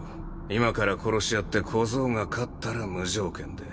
今から殺し合って小僧が勝ったら無条件で。